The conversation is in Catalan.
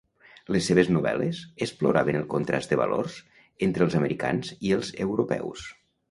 Les seves novel·les exploraven el contrast de valors entre els americans i els europeus.